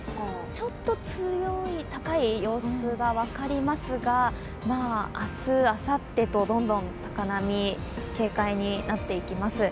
ちょっと高い様子が分かりますが明日、あさってとどんどん高波警戒になっていきます。